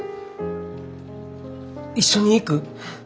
一緒に行く？